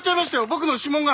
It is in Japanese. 僕の指紋が。